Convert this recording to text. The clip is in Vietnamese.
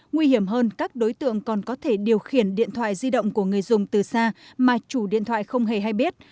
nguy hiểm hơn các đối tượng còn có thể điều khiển điện thoại di động của người dùng từ xa mà chủ điện thoại không hề hay biết